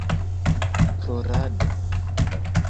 Plorado